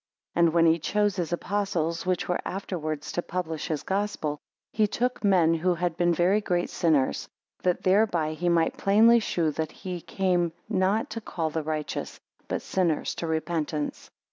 12 And when he chose his apostles, which were afterwards to publish his Gospel, he took men who had been very great sinners; that thereby he might plainly shew That he came not to call the righteous but sinners to repentance.